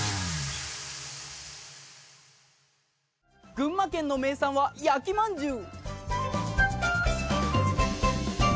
群馬県の名産は焼きまんじゅう。